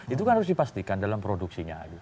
itu kan harus dipastikan dalam produksinya